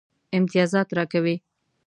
امتیازات راکوي.